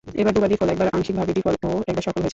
এর দুবার বিফল, একবার আংশিকভাবে বিফল ও একবার সফল হয়েছিল।